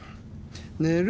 寝る！